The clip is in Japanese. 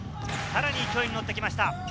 さらに勢いに乗ってきました。